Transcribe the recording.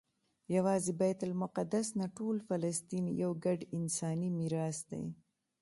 یوازې بیت المقدس نه ټول فلسطین یو ګډ انساني میراث دی.